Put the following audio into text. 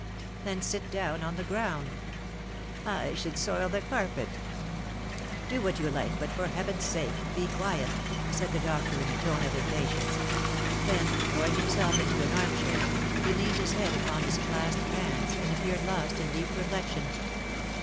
"Then sit down on the ground." "I should soil the carpet." "Do what you like, but, for heaven's sake, be quiet!" said the doctor, in a tone of impatience; then, throwing himself into an armchair, he leaned his head upon his clasped hands, and appeared lost in deep reflection.